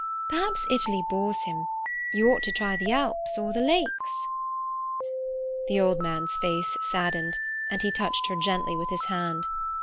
Perhaps Italy bores him; you ought to try the Alps or the Lakes." The old man's face saddened, and he touched her gently with his hand.